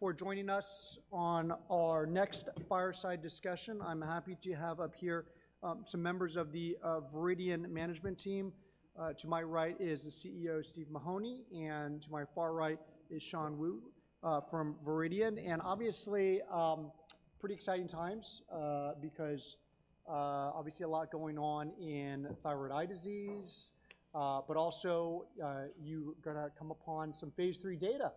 ...for joining us on our next fireside discussion. I'm happy to have up here, some members of the, Viridian management team. To my right is the CEO, Steve Mahoney, and to my far right is Shan Wu, from Viridian. Obviously, pretty exciting times, because, obviously a lot going on in Thyroid Eye Disease. But also, you're gonna come upon some phase III data,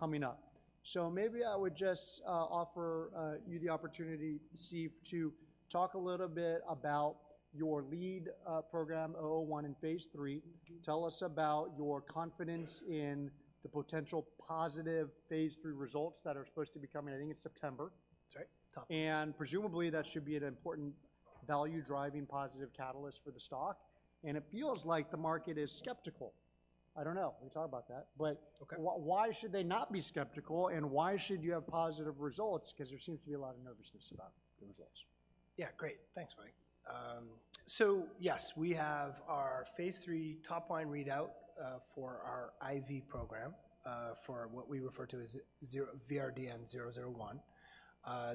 coming up. So maybe I would just, offer, you the opportunity, Steve, to talk a little bit about your lead, program, 001 in phase III. Mm-hmm. Tell us about your confidence in the potential positive phase III results that are supposed to be coming, I think, in September. That's right. Top- Presumably, that should be an important value-driving positive catalyst for the stock, and it feels like the market is skeptical. I don't know. We can talk about that. Okay. But why should they not be skeptical, and why should you have positive results? 'Cause there seems to be a lot of nervousness about the results. Yeah, great. Thanks, Mike. So yes, we have our phase III top line readout for our IV program for what we refer to as VRDN-001.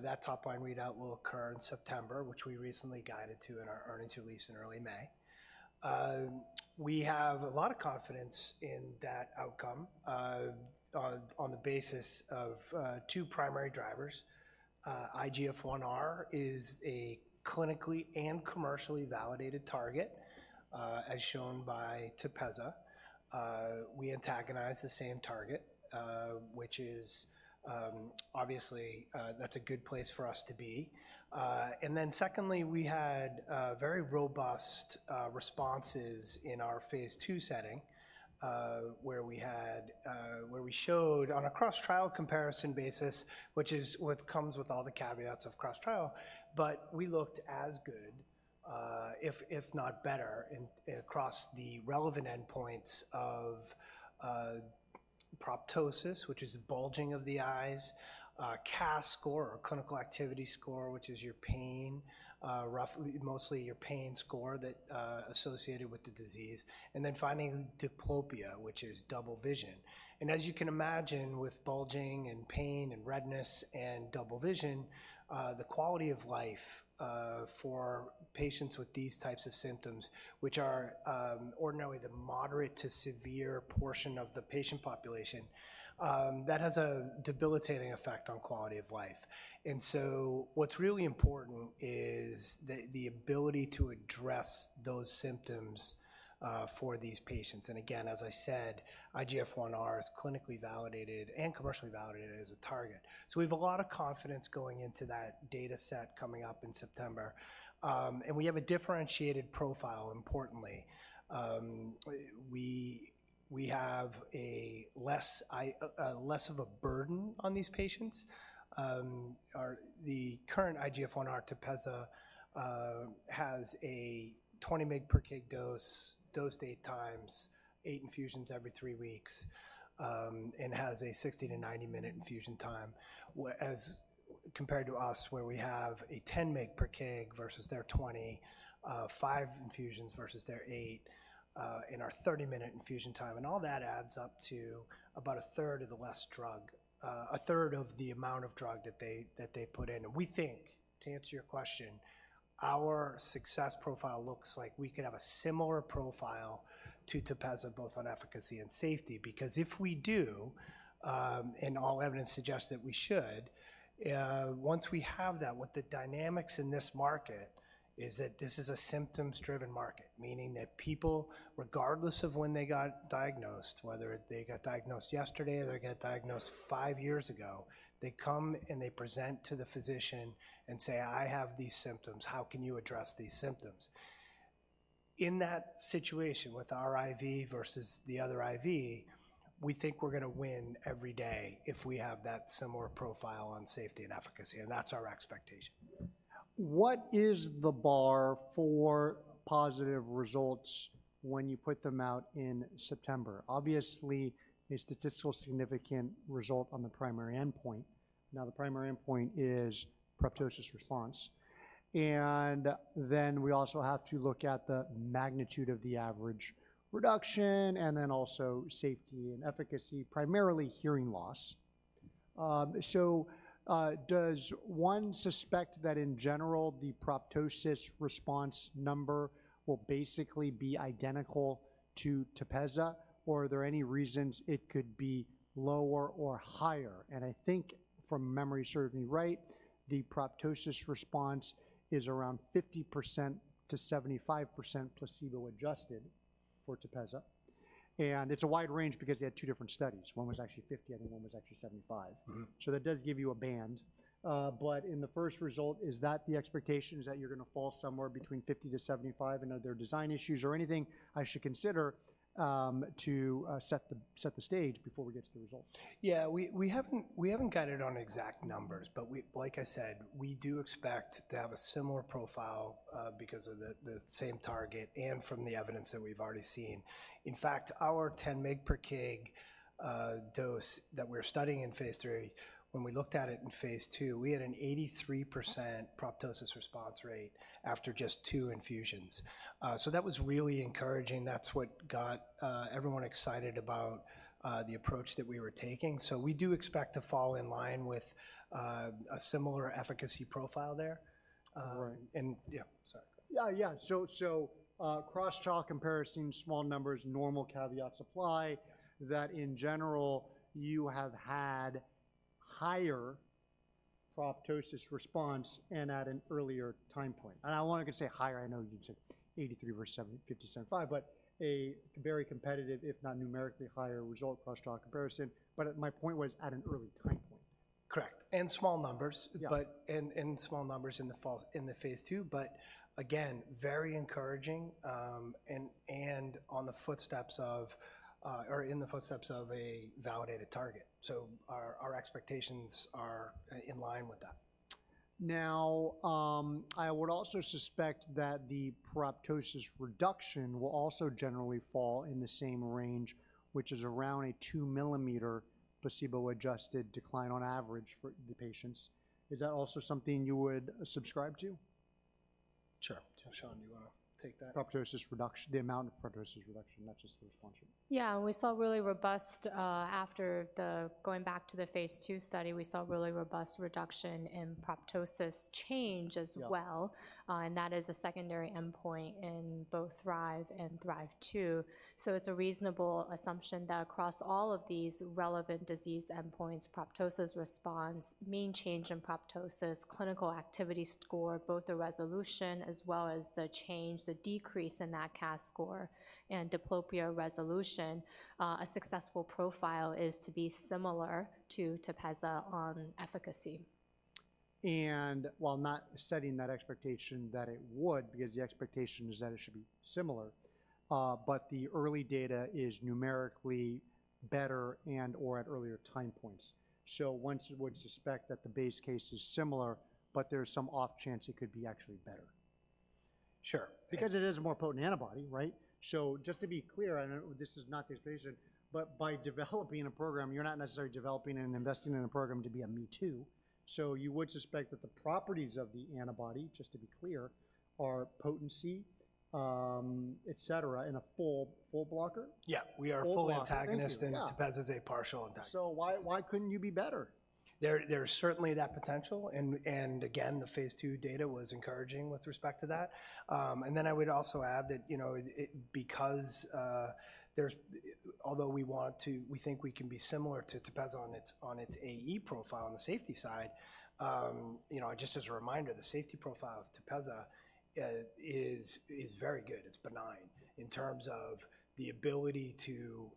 That top line readout will occur in September, which we recently guided to in our earnings release in early May. We have a lot of confidence in that outcome on the basis of two primary drivers. IGF-1R is a clinically and commercially validated target as shown by Tepezza. We antagonize the same target, which is obviously that's a good place for us to be. And then secondly, we had very robust responses in our phase II setting, where we showed on a cross-trial comparison basis, which is what comes with all the caveats of cross-trial, but we looked as good, if not better, across the relevant endpoints of proptosis, which is bulging of the eyes, CAS score or clinical activity score, which is your pain, roughly mostly your pain score that associated with the disease, and then finally, diplopia, which is double vision. And as you can imagine, with bulging, and pain, and redness, and double vision, the quality of life for patients with these types of symptoms, which are ordinarily the moderate to severe portion of the patient population, that has a debilitating effect on quality of life. And so what's really important is the ability to address those symptoms for these patients. And again, as I said, IGF-1R is clinically validated and commercially validated as a target. So we have a lot of confidence going into that data set coming up in September. And we have a differentiated profile, importantly. We have a less of a burden on these patients. Our The current IGF-1R, Tepezza, has a 20 mg per kg dose, dosed 8x, 8 infusions every three weeks, and has a 60-90-minute infusion time, as compared to us, where we have a 10 mg per kg versus their 20, five infusions versus their eight, and our 30-minute infusion time. All that adds up to about a third of the less drug, a third of the amount of drug that they put in. We think, to answer your question, our success profile looks like we could have a similar profile to Tepezza, both on efficacy and safety. Because if we do, and all evidence suggests that we should, once we have that, what the dynamics in this market is that this is a symptoms-driven market, meaning that people, regardless of when they got diagnosed, whether they got diagnosed yesterday or they got diagnosed five years ago, they come and they present to the physician and say, "I have these symptoms. How can you address these symptoms?" In that situation, with our IV versus the other IV, we think we're gonna win every day if we have that similar profile on safety and efficacy, and that's our expectation. What is the bar for positive results when you put them out in September? Obviously, a statistical significant result on the primary endpoint. Now, the primary endpoint is proptosis response. Mm-hmm. Then we also have to look at the magnitude of the average reduction, and then also safety and efficacy, primarily hearing loss. So, does one suspect that, in general, the proptosis response number will basically be identical to Tepezza, or are there any reasons it could be lower or higher? And I think from memory serving me right, the proptosis response is around 50%-75% placebo-adjusted for Tepezza. And it's a wide range because they had two different studies. One was actually 50, I think one was actually 75. Mm-hmm. So that does give you a band. But in the first result, is that the expectation is that you're gonna fall somewhere between 50-75, and are there design issues or anything I should consider, to set the stage before we get to the results? Yeah, we haven't guided on exact numbers, but we—like I said, we do expect to have a similar profile because of the same target and from the evidence that we've already seen. In fact, our 10 mg per kg dose that we're studying in phase III, when we looked at it in phase II, we had an 83% proptosis response rate after just two infusions. So that was really encouraging. That's what got everyone excited about the approach that we were taking. So we do expect to fall in line with a similar efficacy profile there. Right. Yeah, sorry. Yeah, yeah. So, cross-trial comparison, small numbers, normal caveats apply. Yes. That in general, you have had higher proptosis response and at an earlier time point. I want to say higher, I know you'd say 83 versus 70, 57.5, but a very competitive, if not numerically higher result, cross-trial comparison. My point was at an early time point. Correct, and small numbers. Yeah. But and small numbers in the phase II, but again, very encouraging, and on the footsteps of or in the footsteps of a validated target. So our expectations are in line with that. Now, I would also suspect that the proptosis reduction will also generally fall in the same range, which is around a 2-mm placebo-adjusted decline on average for the patients. Is that also something you would subscribe to? Sure. Shan, do you want to take that? Proptosis reduction, the amount of proptosis reduction, not just the response rate. Yeah, we saw really robust, going back to the phase II study, we saw really robust reduction in proptosis change as well. Yeah. And that is a secondary endpoint in both THRIVE and THRIVE-2. So it's a reasonable assumption that across all of these relevant disease endpoints, proptosis response, mean change in proptosis, Clinical Activity Score, both the resolution as well as the change, the decrease in that CAS score, and diplopia resolution, a successful profile is to be similar to Tepezza on efficacy. While not setting that expectation that it would, because the expectation is that it should be similar, but the early data is numerically better and/or at earlier time points. One would suspect that the base case is similar, but there's some off chance it could be actually better. Sure. Because it is a more potent antibody, right? So just to be clear, I know this is not the expectation, but by developing a program, you're not necessarily developing and investing in a program to be a me too. So you would suspect that the properties of the antibody, just to be clear, are potency, et cetera, and a full, full blocker? Yeah, we are- Full blocker. full antagonist Yeah. Tepezza is a partial antagonist. So why, why couldn't you be better? There, there's certainly that potential, and, and again, the phase II data was encouraging with respect to that. And then I would also add that, you know, it, because, we think we can be similar to Tepezza on its, on its AE profile on the safety side, you know, just as a reminder, the safety profile of Tepezza is very good. It's benign in terms of the ability to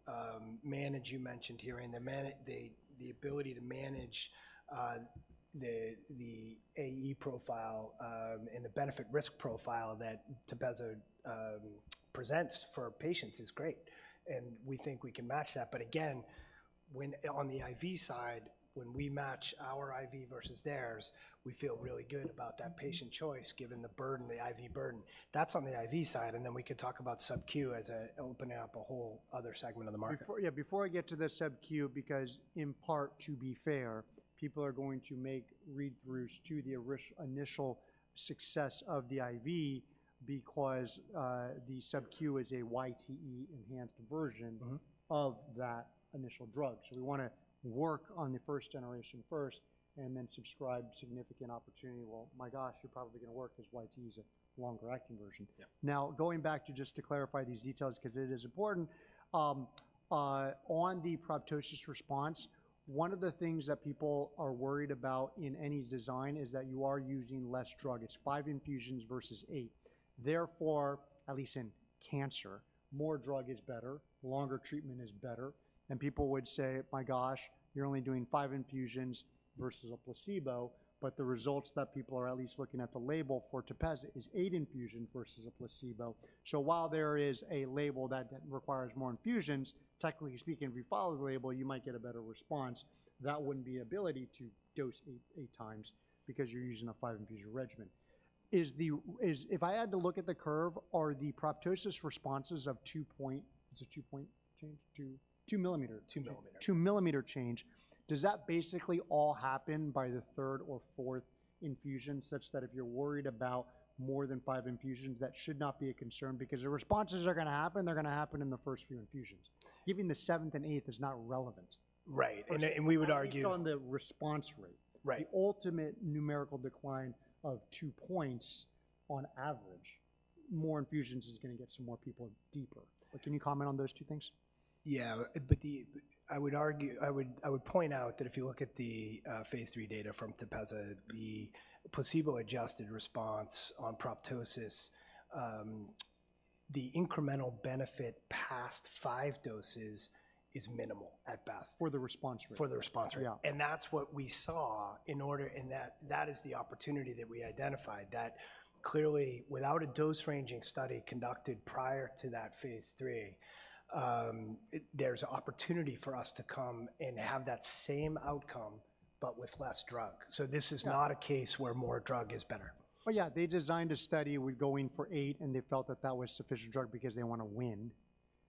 manage, you mentioned hearing, the ability to manage the AE profile, and the benefit risk profile that Tepezza presents for patients is great, and we think we can match that. But again, on the IV side, when we match our IV versus theirs, we feel really good about that patient choice, given the burden, the IV burden. That's on the IV side, and then we can talk about Sub-Q as opening up a whole other segment of the market. Before, yeah, before I get to the Sub-Q, because in part, to be fair, people are going to make read-throughs to the Horizon's initial success of the IV because, the Sub-Q is a YTE-enhanced version- Mm-hmm. - of that initial drug. So we wanna work on the first generation first and then see significant opportunity. Well, my gosh, you're probably gonna work. YTE's a longer-acting version. Yeah. Now, going back to just to clarify these details, because it is important, on the proptosis response, one of the things that people are worried about in any design is that you are using less drug. It's five infusions versus eight. Therefore, at least in cancer, more drug is better, longer treatment is better, and people would say, "My gosh, you're only doing five infusions versus a placebo," but the results that people are at least looking at the label for Tepezza is eight infusions versus a placebo. So while there is a label that requires more infusions, technically speaking, if you follow the label, you might get a better response. That wouldn't be ability to dose 8x because you're using a five-infusion regimen. Is if I had to look at the curve, are the proptosis responses of 2 point... Is it 2.2? 2 mm 2 mm. 2 mm change. Does that basically all happen by the third or fourth infusion, such that if you're worried about more than five infusions, that should not be a concern? Because the responses are gonna happen, they're gonna happen in the first few infusions. Giving the seventh and eighth is not relevant. Right, and we would argue- At least on the response rate. Right. The ultimate numerical decline of 2 points on average, more infusions is gonna get some more people deeper. But can you comment on those two things? Yeah, but I would argue—I would point out that if you look at the phase III data from Tepezza, the placebo-adjusted response on proptosis, the incremental benefit past 5 doses is minimal at best. For the response rate. For the response rate. Yeah. That's what we saw in order and that, that is the opportunity that we identified, that clearly, without a dose-ranging study conducted prior to that phase III, there's opportunity for us to come and have that same outcome, but with less drug. Yeah. This is not a case where more drug is better. But yeah, they designed a study, we're going for eight, and they felt that that was sufficient drug because they want to win....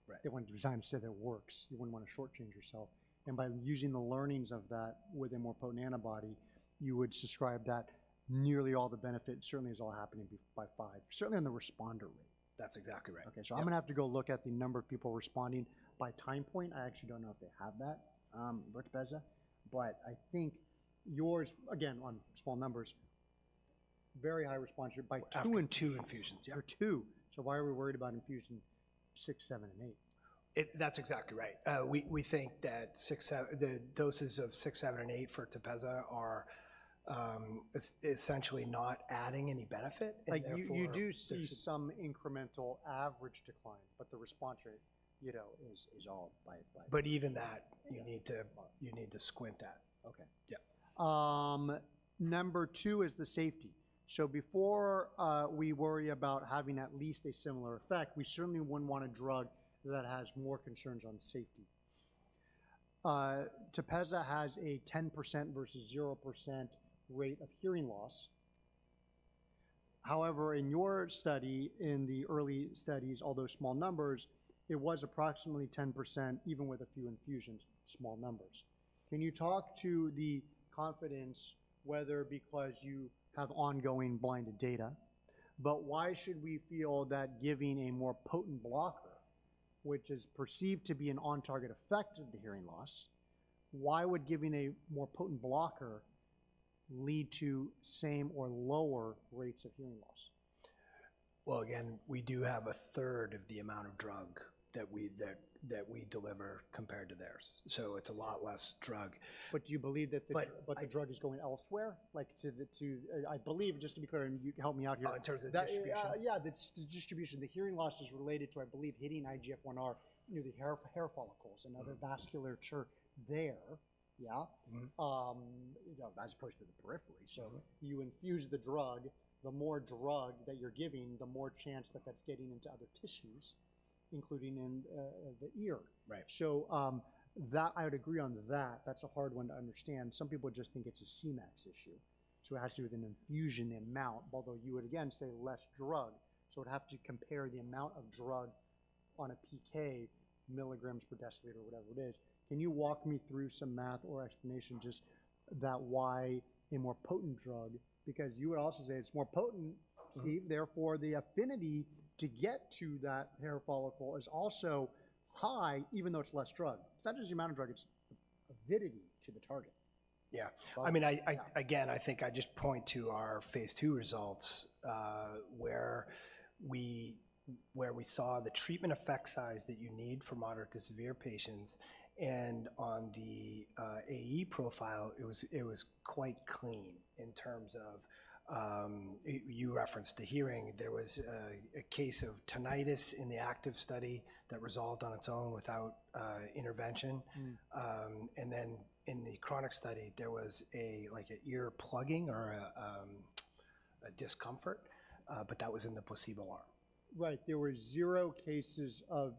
Right. It when the design said it works, you wouldn't wanna shortchange yourself. And by using the learnings of that with a more potent antibody, you would subscribe that nearly all the benefit certainly is all happening by five, certainly in the responder rate. That's exactly right. Okay. Yeah. So I'm gonna have to go look at the number of people responding by time point. I actually don't know if they have that with Tepezza, but I think yours, again, on small numbers, very high response rate by two- 2 and 2 infusions. Yeah, 2. So why are we worried about infusion six, seven, and eight? That's exactly right. We think that the doses of six, seven, and eight for Tepezza are essentially not adding any benefit, and therefore- Like, you do see some incremental average decline, but the response rate, you know, is all by, by- But even that- Yeah... you need to squint at. Okay. Yeah. Number two is the safety. So before we worry about having at least a similar effect, we certainly wouldn't want a drug that has more concerns on safety. Tepezza has a 10% versus 0% rate of hearing loss. However, in your study, in the early studies, although small numbers, it was approximately 10%, even with a few infusions, small numbers. Can you talk to the confidence, whether because you have ongoing blinded data, but why should we feel that giving a more potent blocker, which is perceived to be an on-target effect of the hearing loss, why would giving a more potent blocker lead to same or lower rates of hearing loss? Well, again, we do have a third of the amount of drug that we deliver compared to theirs, so it's a lot less drug. But do you believe that the- But, but-... like the drug is going elsewhere? Like, to the, to... I believe, just to be clear, and you can help me out here. Oh, in terms of the distribution? That, the distribution. The hearing loss is related to, I believe, hitting IGF-1R near the hair follicles- Mm-hmm... and other vasculature there, yeah? Mm-hmm. You know, as opposed to the periphery. Mm-hmm. So you infuse the drug, the more drug that you're giving, the more chance that that's getting into other tissues, including in the ear. Right. So, that I would agree on that. That's a hard one to understand. Some people just think it's a Cmax issue, so it has to do with an infusion amount, although you would, again, say less drug. So it'd have to compare the amount of drug on a PK, milligrams per deciliter, whatever it is. Can you walk me through some math or explanation just about why a more potent drug... Because you would also say it's more potent- Mm-hmm... therefore, the affinity to get to that hair follicle is also high, even though it's less drug. It's not just the amount of drug, it's avidity to the target. Yeah. But, yeah. I mean, again, I think I just point to our phase II results, where we saw the treatment effect size that you need for moderate to severe patients, and on the AE profile, it was quite clean in terms of... You referenced the hearing. There was a case of tinnitus in the active study that resolved on its own without intervention. Mm. And then in the chronic study, there was, like, an ear plugging or a discomfort, but that was in the placebo arm. Right. There were zero cases of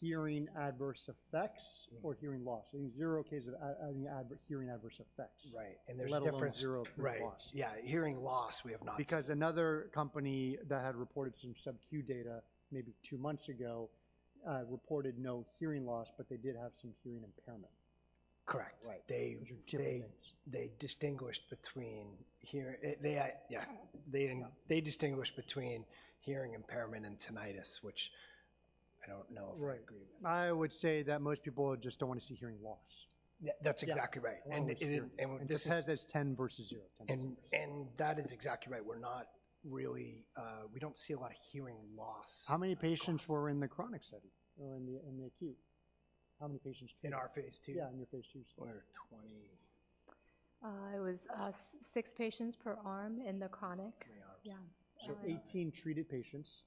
hearing adverse effects- Mm... or hearing loss? I think zero cases of the adverse hearing adverse effects. Right, and there's a difference- Let alone zero hearing loss. Right. Yeah, hearing loss, we have not seen. Because another company that had reported some sub-Q data maybe two months ago reported no hearing loss, but they did have some hearing impairment. Correct. Right. They- Which are two different things.... they distinguished between here, yeah. Yeah. They distinguished between hearing impairment and tinnitus, which I don't know if I agree with. Right. I would say that most people just don't want to see hearing loss. Yeah, that's exactly right. Yeah. And it This has a 10 versus 0. That is exactly right. We're not really, we don't see a lot of hearing loss in our trials. How many patients were in the chronic study or in the, in the acute? How many patients- In our phase II? Yeah, in your phase II study. Uh, twenty... It was six patients per arm in the chronic. Three arms. Yeah, uh- 18 treated patients.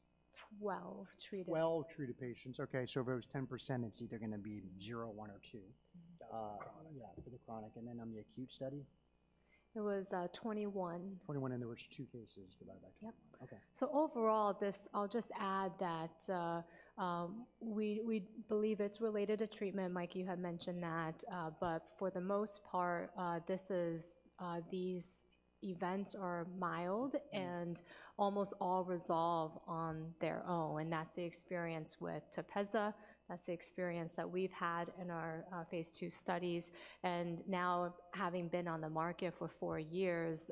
Twelve treated. 12 treated patients. Okay, so if it was 10%, it's either gonna be zero, one, or two. That was chronic. Yeah, for the chronic. Then on the acute study? It was, 21. 21, and there were two cases divided by two. Yep. Okay. So overall, this. I'll just add that, we believe it's related to treatment. Mike, you had mentioned that, but for the most part, these events are mild- Mm... and almost all resolve on their own, and that's the experience with Tepezza. That's the experience that we've had in our phase II studies. And now, having been on the market for four years,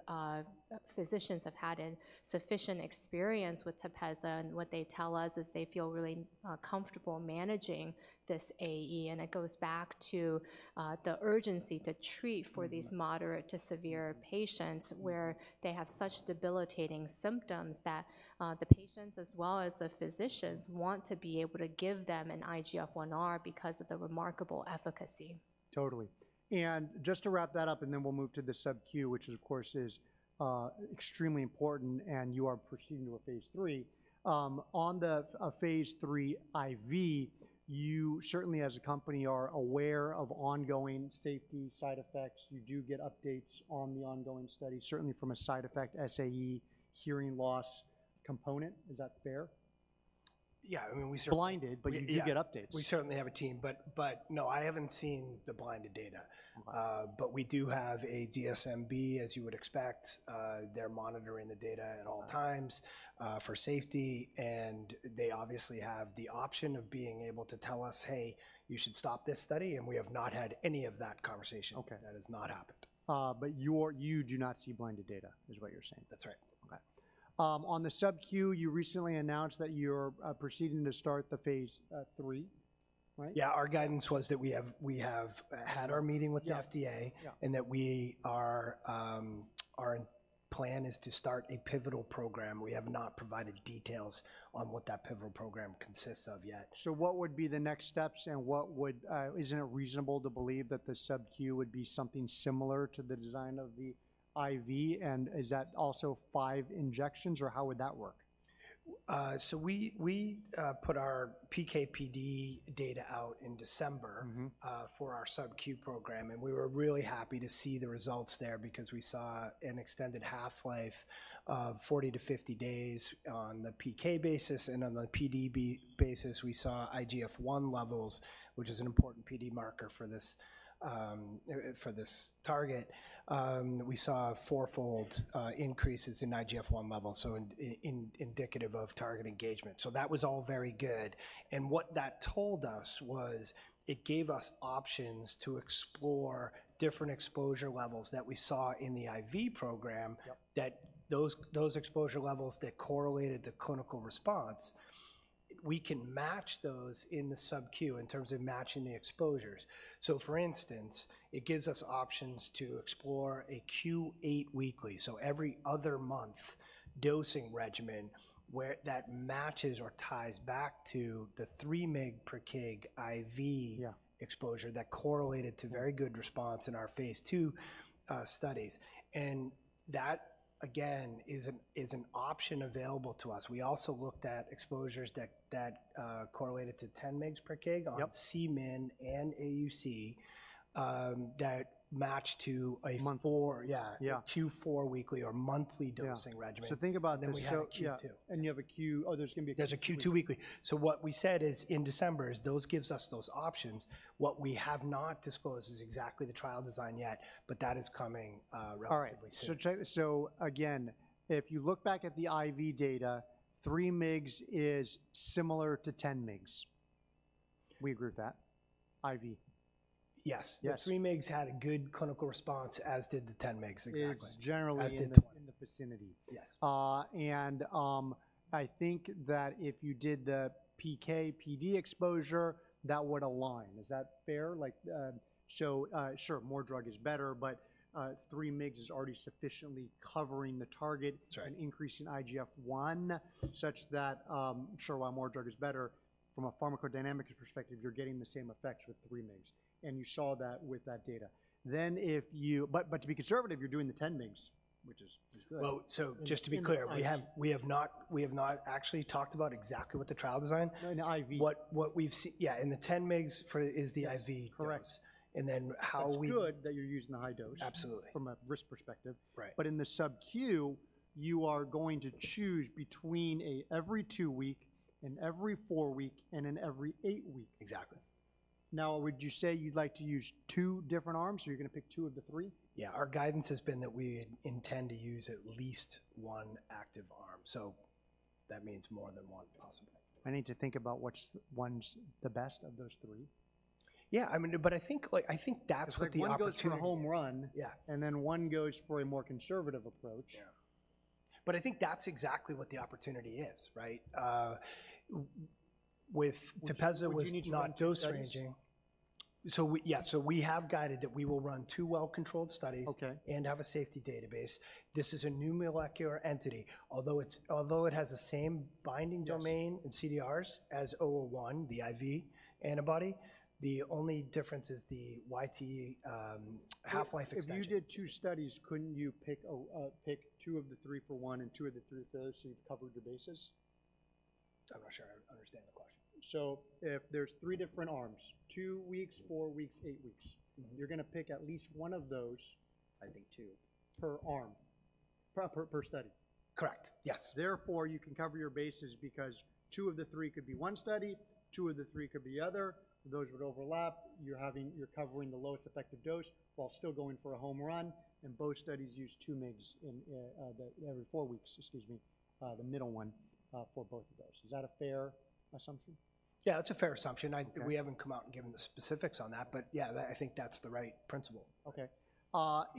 physicians have had insufficient experience with Tepezza, and what they tell us is they feel really comfortable managing this AE. And it goes back to the urgency to treat for these- Mm-hmm... moderate to severe patients, where they have such debilitating symptoms that, the patients as well as the physicians want to be able to give them an IGF-1R because of the remarkable efficacy. Totally. And just to wrap that up, and then we'll move to the Sub-Q, which of course is extremely important, and you are proceeding to a phase III. On the phase III IV, you certainly, as a company, are aware of ongoing safety side effects. You do get updates on the ongoing study, certainly from a side effect, SAE, hearing loss component. Is that fair? ... Yeah, I mean, we- Blinded, but you do get updates. We certainly have a team, but no, I haven't seen the blinded data. But we do have a DSMB, as you would expect. They're monitoring the data at all times- Right... for safety, and they obviously have the option of being able to tell us, "Hey, you should stop this study." We have not had any of that conversation. Okay. That has not happened. But you do not see blinded data, is what you're saying? That's right. Okay. On the Sub-Q, you recently announced that you're proceeding to start the phase III, right? Yeah. Our guidance was that we have had our meeting with the FDA. Yeah, yeah... and that we are, our plan is to start a pivotal program. We have not provided details on what that pivotal program consists of yet. So what would be the next steps, and is it reasonable to believe that the Sub-Q would be something similar to the design of the IV? And is that also five injections, or how would that work? So we put our PK/PD data out in December- Mm-hmm... for our Sub-Q program, and we were really happy to see the results there because we saw an extended half-life of 40-50 days on the PK basis, and on the PD basis, we saw IGF-1 levels, which is an important PD marker for this, for this target. We saw fourfold increases in IGF-1 levels, so indicative of target engagement. So that was all very good. And what that told us was, it gave us options to explore different exposure levels that we saw in the IV program- Yep... that those exposure levels that correlated to clinical response, we can match those in the Sub-Q in terms of matching the exposures. So for instance, it gives us options to explore a Q8 weekly, so every other month dosing regimen, where that matches or ties back to the 3 mg per kg IV- Yeah... exposure that correlated to very good response in our phase two studies. And that, again, is an option available to us. We also looked at exposures that correlated to 10 mg per kg- Yep... on Cmin and AUC, that matched to a- Month... four, yeah. Yeah. A Q4 weekly or monthly dosing regimen. Yeah. So think about that- We have a Q2. Yeah. And you have a Q2. Oh, there's gonna be a Q2. There's a Q2 weekly. So what we said is, in December, is those gives us those options. What we have not disclosed is exactly the trial design yet, but that is coming, relatively soon. All right. So again, if you look back at the IV data, 3 mg is similar to 10 mg. We agree with that? IV. Yes. Yes. The 3 mg had a good clinical response, as did the 10 mg, exactly. It's generally- As did the-... in the vicinity. Yes. And, I think that if you did the PK/PD exposure, that would align. Is that fair? Like, so, sure, more drug is better, but, 3 mg is already sufficiently covering the target- That's right... an increase in IGF-1, such that, sure, while more drug is better, from a pharmacodynamic perspective, you're getting the same effects with 3 mg. And you saw that with that data. But to be conservative, you're doing the 10 mg, which is good. Well, so just to be clear- And the IV... we have not actually talked about exactly what the trial design. No, the IV. Yeah, and the 10 mg for is the IV dose. Correct. And then how we- It's good that you're using the high dose- Absolutely... from a risk perspective. Right. But in the Sub-Q, you are going to choose between a every two week and every four week and an every eight week. Exactly. Now, would you say you'd like to use two different arms, or you're gonna pick two of the three? Yeah. Our guidance has been that we intend to use at least one active arm. So that means more than one possibly. I need to think about which one's the best of those three. Yeah, I mean, but I think, like, I think that's what the opportunity- It's like one goes for home run- Yeah... and then one goes for a more conservative approach. Yeah. But I think that's exactly what the opportunity is, right? With Tepezza was not dose ranging. Would you need to run two studies? Yeah, so we have guided that we will run two well-controlled studies- Okay... and have a safety database. This is a new molecular entity, although it has the same binding domain- Yes... and CDRs as 001, the IV antibody, the only difference is the YTE half-life extension. If you did two studies, couldn't you pick two of the three for one and two of the three for the other, so you've covered your bases? I'm not sure I understand the question. So if there's three different arms, two weeks, four weeks, eight weeks- Mm-hmm... you're gonna pick at least one of those- I think two.... per arm per study. Correct. Yes. Therefore, you can cover your bases because two of the three could be one study, two of the three could be other. Those would overlap. You're covering the lowest effective dose while still going for a home run, and both studies use two mgs in the every four weeks, excuse me, the middle one for both of those. Is that a fair assumption? Yeah, that's a fair assumption. Okay. We haven't come out and given the specifics on that, but yeah, that, I think, that's the right principle. Okay.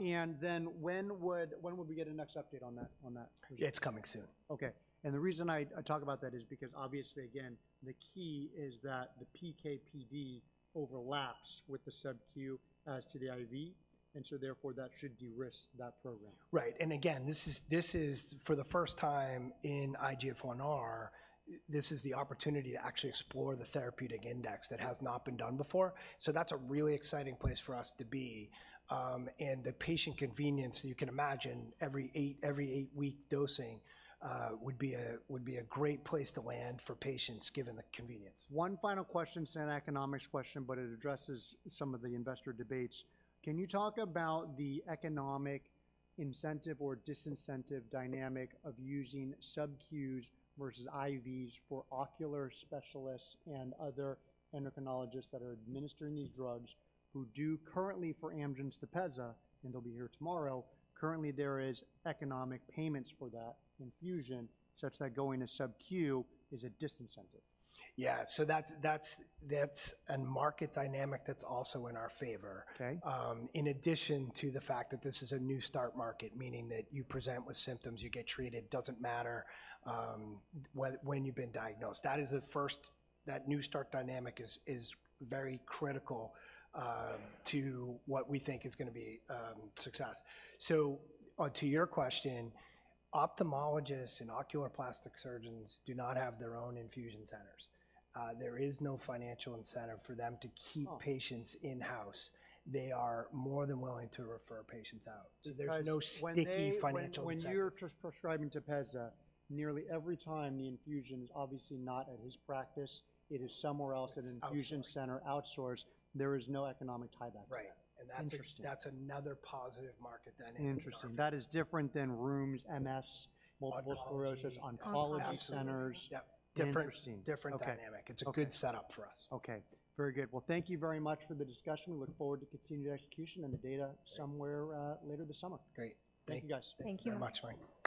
And then when would we get a next update on that presentation? It's coming soon. Okay. And the reason I talk about that is because, obviously, again, the key is that the PK/PD overlaps with the Sub-Q as to the IV, and so therefore, that should de-risk that program. Right. And again, this is for the first time in IGF-1R, this is the opportunity to actually explore the therapeutic index that has not been done before. So that's a really exciting place for us to be. And the patient convenience, you can imagine, every eight-week dosing would be a great place to land for patients, given the convenience. One final question, it's an economics question, but it addresses some of the investor debates. Can you talk about the economic incentive or disincentive dynamic of using Sub-Qs versus IVs for ocular specialists and other endocrinologists that are administering these drugs, who do currently for Amgen's Tepezza, and they'll be here tomorrow, currently, there is economic payments for that infusion, such that going to Sub-Q is a disincentive? Yeah, so that's a market dynamic that's also in our favor. Okay. In addition to the fact that this is a new start market, meaning that you present with symptoms, you get treated. It doesn't matter when you've been diagnosed. That new start dynamic is very critical to what we think is gonna be success. So, to your question, ophthalmologists and oculoplastic surgeons do not have their own infusion centers. There is no financial incentive for them to keep- Oh... patients in-house. They are more than willing to refer patients out. Because when they- There's no sticky financial incentive. When you're just prescribing Tepezza, nearly every time the infusion's obviously not at his practice, it is somewhere else. It's outsourced... an infusion center outsourced, there is no economic tie back to that. Right. Interesting. That's another positive market dynamic. Interesting. That is different than Rheums MS- Oncology... multiple sclerosis, oncology centers. Yep. Interesting. Different, different dynamic. Okay. It's a good setup for us. Okay, very good. Well, thank you very much for the discussion. We look forward to continued execution and the data- Great... somewhere later this summer. Great. Thank you, guys. Thank you. Thank you very much, Mike.